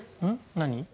何？